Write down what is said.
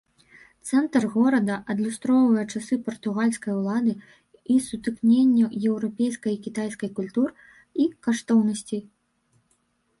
Цэнтр горада адлюстроўвае часы партугальскай улады і сутыкненне еўрапейскай і кітайскай культур і каштоўнасцей.